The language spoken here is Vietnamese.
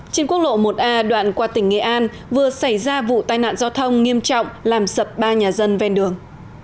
trên quốc lộ một a đoạn qua tỉnh nghệ an vừa xảy ra vụ tai nạn giao thông nghiêm trọng làm sập ba nhà dân ven đường